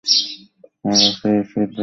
আমি রাজশাহী বিশ্ববিদ্যালয়ে পড়ালেখা করি।